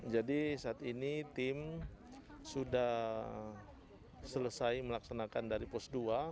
jadi saat ini tim sudah selesai melaksanakan dari pos dua